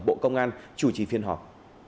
bộ công an chủ trì phiên họp